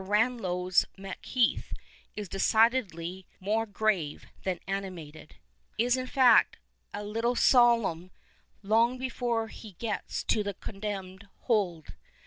Ranalow's Macheath is decidedly more grave than animated, is in fact a little solemn — long before he gets to the Condemned Hold.